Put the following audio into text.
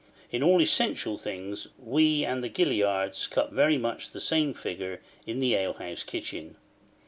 In all essential things we and the Gilliards cut very much the same figure in the ale house kitchen.